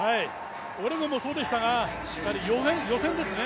オレゴンもそうでしたが、予選ですね。